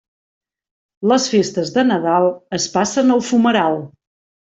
Les festes de Nadal es passen al fumeral.